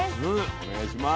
お願いします。